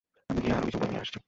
আমি গিয়ে আরো কিছু বই নিয়ে আসছি।